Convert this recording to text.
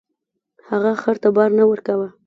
هغه خر ته بار نه ورکاوه.